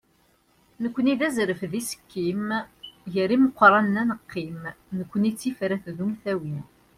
nekkni d azref d isekkim, gar imeqranen ad neqqim, nekkni d tifrat d umtawi.